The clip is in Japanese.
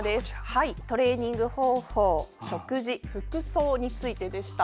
トレーニング方法食事、服装についてでした。